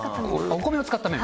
お米を使った麺。